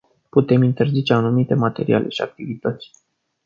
Putem interzice anumite materiale și activități.